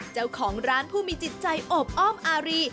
เจ้าของร้านผู้มีจิตใจโอบอ้อมอารี